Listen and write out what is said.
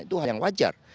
itu hal yang wajar